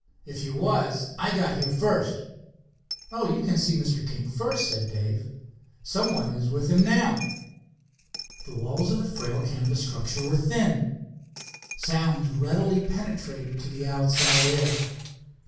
If you was, I got here first." "Oh, you can see Mr. King first," said Dave. "Some one is with him now." The walls of the frail canvas structure were thin. Sounds readily penetrated to the outside air.